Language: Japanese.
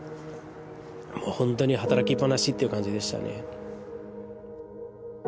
ホントに働きっぱなしっていう感じでしたね